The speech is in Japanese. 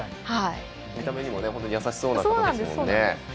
見た目も優しそうな方ですもんね。